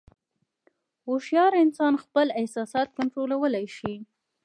هوښیار انسان خپل احساسات کنټرولولی شي.